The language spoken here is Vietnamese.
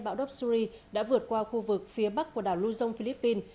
bão dobsuri đã vượt qua khu vực phía bắc của đảo luzon philippines